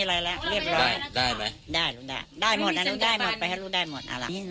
ได้ลูกได้ได้หมดนะลูกได้หมดไปให้ลูกได้หมด